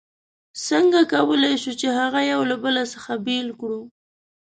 څنګه کولای شو چې هغه یو له بل څخه بېل کړو؟